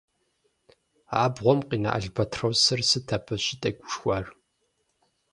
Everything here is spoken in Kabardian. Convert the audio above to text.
Абгъуэм къина албатросыр сыт абы щӀытегушхуар?